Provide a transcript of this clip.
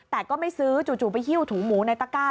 แต่ก็ไม่ซื้อจู่ไปหิ้วถูหมูในตะก้า